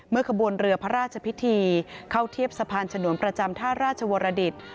ขบวนเรือพระราชพิธีเข้าเทียบสะพานฉนวนประจำท่าราชวรดิต